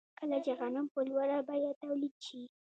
کله چې غنم په لوړه بیه تولید شي